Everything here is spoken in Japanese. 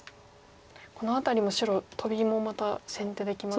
この辺りも白トビもまた先手で決まって。